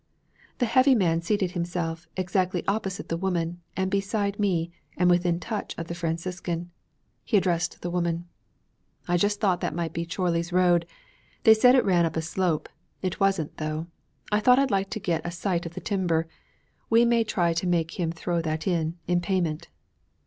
The heavy man seated himself, exactly opposite the woman, and beside me and within touch of the Franciscan. He addressed the woman. 'I just thought that that might be Chorley's road. They said it ran up a slope. It wasn't, though. I thought I'd like to get a sight of the timber. We may try to make him throw that in, in payment.'